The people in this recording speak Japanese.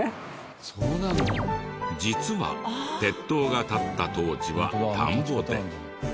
実は鉄塔が建った当時は田んぼで。